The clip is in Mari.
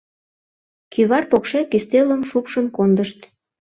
Кӱвар покшек ӱстелым шупшын кондышт.